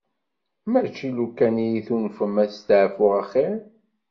Mačči lukan iyi-tunfem ad staɛfuɣ axir?